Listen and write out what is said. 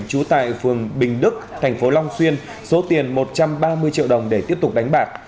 trú tại phường bình đức thành phố long xuyên số tiền một trăm ba mươi triệu đồng để tiếp tục đánh bạc